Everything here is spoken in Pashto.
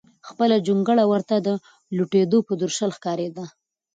خپله جونګړه ورته د لوټېدو په درشل ښکارېده.